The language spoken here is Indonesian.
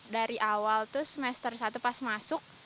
dari awal tuh semester satu pas masuk